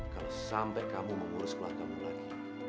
kalau sampai kamu mengurus sekolah kamu lagi